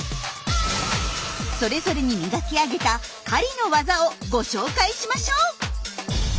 それぞれに磨き上げた狩りの技をご紹介しましょう！